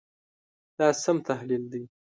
دا سم تحلیل دی.